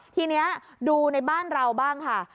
ทีนี้ดูในบ้านเราบ้างค่ะ